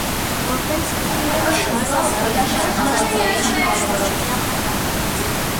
Որպես զենք քարշակը օգտագործում է ստորջրյա խոյահարումը։